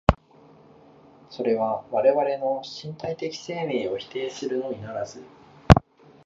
それは我々の身体的生命を否定するのみならず、